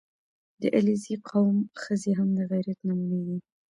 • د علیزي قوم ښځې هم د غیرت نمونې دي.